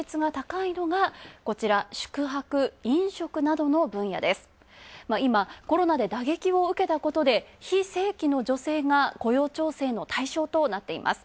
いまコロナで受けたことで非正規の女性が雇用調整の対象となっています。